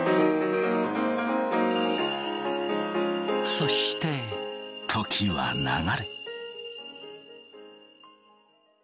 そして時は流れ。